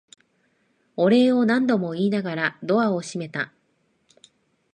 お礼を何度も言いながらドアを閉めた。